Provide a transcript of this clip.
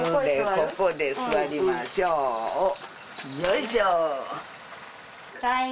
ここで座りましょうよいしょ退院